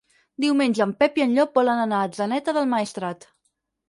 Diumenge en Pep i en Llop volen anar a Atzeneta del Maestrat.